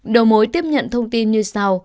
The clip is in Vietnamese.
đầu mối tiếp nhận thông tin như sau